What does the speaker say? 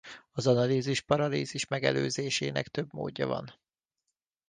Az analízis paralízis megelőzésének több módja van.